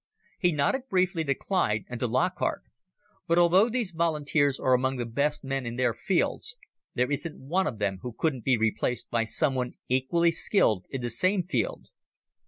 He nodded briefly to Clyde and to Lockhart. "But although these volunteers are among the best men in their fields, there isn't one of them who couldn't be replaced by someone equally skilled in the same field.